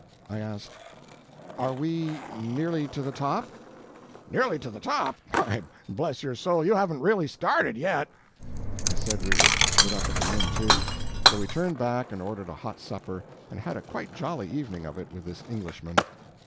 I asked: "Are we nearly to the top?" "Nearly to the TOP? Why, bless your soul, you haven't really started, yet." I said we would put up at the inn, too. So we turned back and ordered a hot supper, and had quite a jolly evening of it with this Englishman.